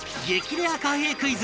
レア貨幣クイズ。